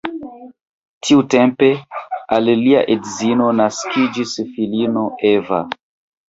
Tiutempe al lia edzino naskiĝis filino Eva.